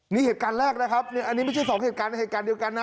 นี่เหตุการณ์แรกนะครับอันนี้ไม่ใช่สองเหตุการณ์ในเหตุการณ์เดียวกันนะ